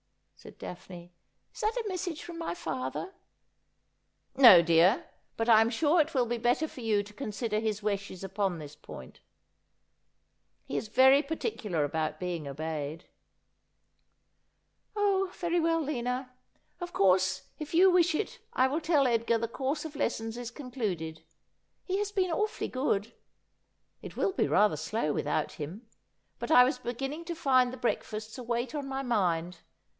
' said Daphne. ' Is that a message from my father ?'' No, dear. But I am sure it will be better for ^ou to con sider his wi. hes upon this point, lie is very particular about being iibf yed '' Oh ! very well, Lina. Of course if you wi h it I will tell Edgar the course of les^ons is concluded. He has been awfully good. Ii will be rather . low wiihout him. But I whs begin u iil; to find Uie hreaUfasts a weight on my m nd.